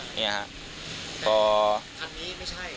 อันนี้ไม่ใช่